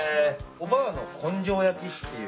「おばあの根性焼き」っていう。